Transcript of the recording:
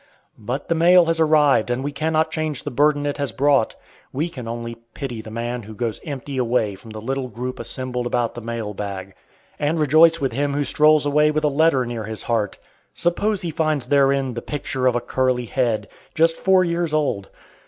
But the mail has arrived and we cannot change the burden it has brought. We can only pity the man who goes empty away from the little group assembled about the mail bag, and rejoice with him who strolls away with a letter near his heart. Suppose he finds therein the picture of a curly head. Just four years old!